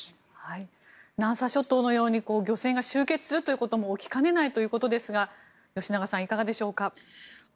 南沙諸島のように漁船が集結することも起きかねないということですが吉永さん、いかがでしょうか。